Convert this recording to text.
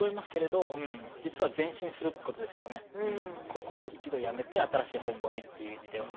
ここを一度やめて新しい方向にっていう意味では。